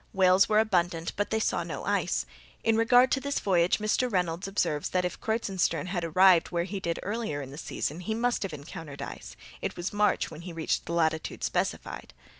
Whales were abundant, but they saw no ice. In regard to this voyage, Mr. Reynolds observes that, if Kreutzenstern had arrived where he did earlier in the season, he must have encountered ice—it was March when he reached the latitude specified.